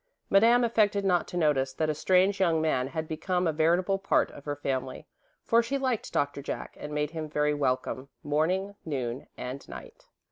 Madame affected not to notice that a strange young man had become a veritable part of her family, for she liked Doctor Jack and made him very welcome, morning, noon, and night.